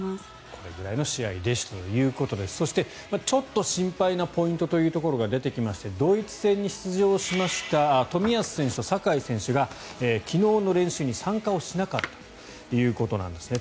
これぐらいの試合でしたということでそしてちょっと心配なポイントというところが出てきましてドイツ戦に出場した冨安選手と酒井選手が昨日の練習に参加をしなかったということなんですね。